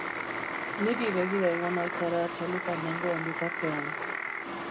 Niri begira egon al zara txalupan nengoen bitartean?